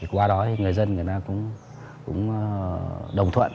qua đó người dân người ta cũng đồng thuận